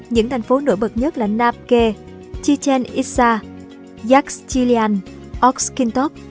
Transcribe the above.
những thành phố nổi bật nhất là nam khe chichen itza yaxchilean oxkintoc